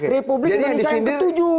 republik indonesia yang ketujuh